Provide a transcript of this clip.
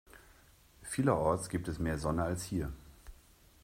Vielerorts gibt es mehr Sonne als hier.